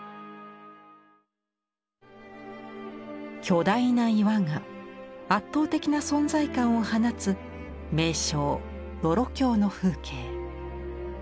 巨大な岩が圧倒的な存在感を放つ名勝「峡」の風景。